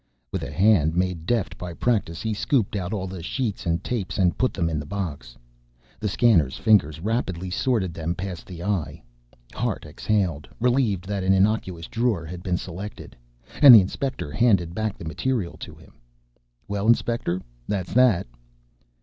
With a hand made deft by practise he scooped out all the sheets and tapes and put them in the box. The scanner's fingers rapidly sorted them past the eye. Hart exhaled, relieved that an innocuous drawer had been selected, and the inspector handed back the material to him. "Well, Inspector, that's that."